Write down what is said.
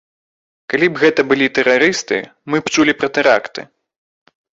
Калі б гэта былі тэрарысты, мы б чулі пра тэракты.